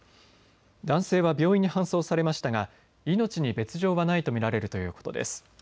男性は病院に搬送されましたが命に別状はないと見られるということです。